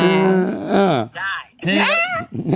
ได้